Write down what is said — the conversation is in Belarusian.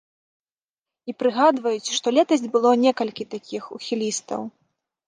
І прыгадваюць, што летась было некалькі такіх ухілістаў.